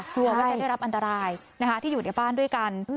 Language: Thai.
กลัวว่าจะได้รับอันตรายที่อยู่ในบ้านด้วยกัน